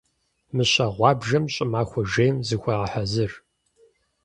Мыщэ гъуабжэм щӀымахуэ жейм зыхуегъэхьэзыр.